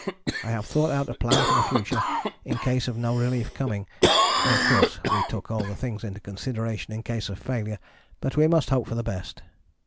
I have thought out a plan for the future, in case of no relief coming, but of course we took all things into consideration in case of failure, but we must hope for the best.